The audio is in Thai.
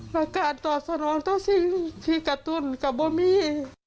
และการตอบสนองต่อสิ่งที่กระตุ้นกับบ่มี